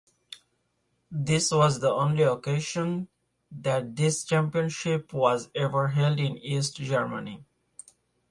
This was the only occasion that this championship was ever held in East Germany